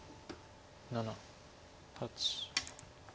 ７８。